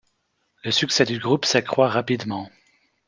Le succès du groupe s'accroît rapidement.